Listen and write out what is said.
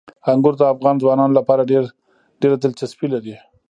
انګور د افغان ځوانانو لپاره ډېره دلچسپي لري.